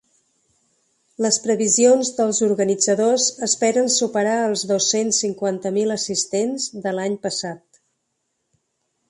Les previsions dels organitzadors esperen superar els dos-cents cinquanta mil assistents de l’any passat.